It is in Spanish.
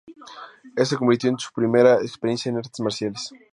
Esta se convirtió en su primera experiencia en artes marciales.